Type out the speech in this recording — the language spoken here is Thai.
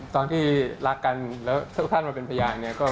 ตอนที่รักกันและทุกท่านมาเป็นพยาย